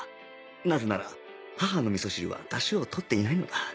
なぜなら母の味噌汁はダシを取っていないのだ